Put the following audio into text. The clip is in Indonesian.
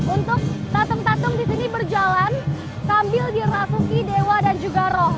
untuk tatung tatung di sini berjalan sambil dirasuki dewa dan juga roh